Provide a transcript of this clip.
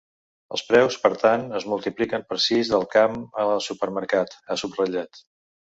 “Els preus, per tant, es multipliquen per sis del camp al supermercat”, ha subratllat.